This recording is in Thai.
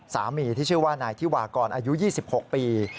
ที่ชื่อว่านายธิวากรอายุ๒๖ปี